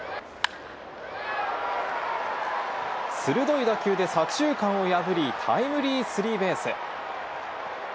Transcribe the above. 鋭い打球で左中間を破り、タイムリースリーベース。